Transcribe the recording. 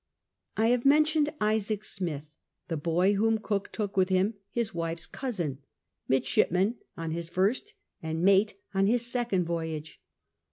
I have mentioned Isaac Smith, the boy whom Cook took with him — his wife's cousin — midsliipman on his first and mate on his second voyage.